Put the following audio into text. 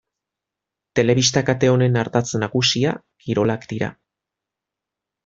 Telebista kate honen ardatz nagusia kirolak dira.